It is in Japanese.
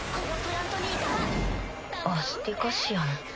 アスティカシアの。